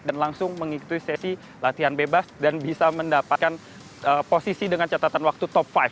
dan langsung mengikuti sesi latihan bebas dan bisa mendapatkan posisi dengan catatan waktu top lima